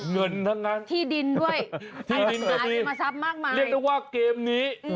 เงินทั้งนั้น